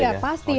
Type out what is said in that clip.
iya pasti harus